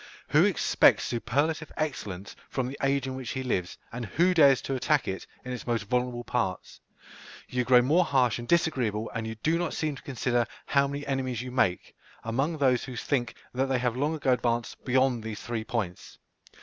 Who expects superlative excellence from the age in which he lives, and who dares to attack it, in its most vulnerable parts? You grow more harsh and disagreeable, and you do not seem to consider how many enemies you make, among those who think that they have long ago advanced beyond these three points.